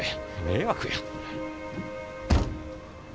迷惑や。